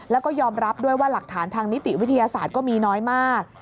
แล้วก็ยอมรับด้วยว่าหลักฐานทางนิติวิทยาศาสตร์ก็มีน้อยมาก